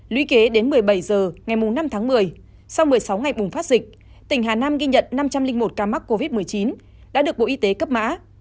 lý kế đến một mươi bảy h ngày năm tháng một mươi sau một mươi sáu ngày bùng phát dịch tỉnh hà nam ghi nhận năm trăm linh một ca mắc covid một mươi chín đã được bộ y tế cấp mã